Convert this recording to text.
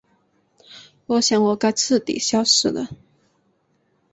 我想我该彻底消失了。